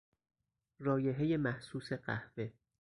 رایحهی محسوس قهوه